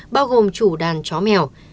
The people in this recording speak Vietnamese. bao gồm chủ đàn chó mèo